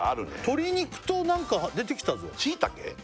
鶏肉と何か出てきたぞしいたけ？